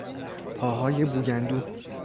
پاهای بو گندو